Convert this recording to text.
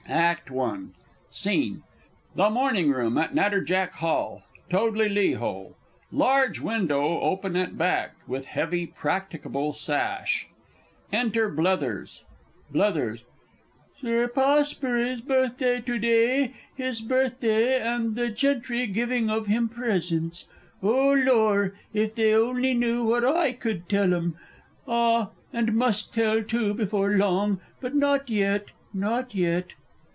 _ ACT I. SCENE The Morning Room at Natterjack Hall, Toadley le Hole; large window open at back, with heavy practicable sash. Enter BLETHERS. Blethers. Sir Poshbury's birthday to day his birthday! and the gentry giving of him presents. Oh, Lor! if they only knew what I could tell 'em!... Ah, and must tell, too, before long but not yet not yet!